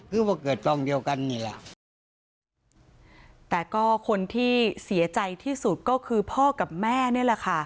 คือว่าเกิดกล้องเดียวกันนี่แหละแต่ก็คนที่เสียใจที่สุดก็คือพ่อกับแม่นี่แหละค่ะ